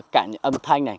cảm nhận âm thanh này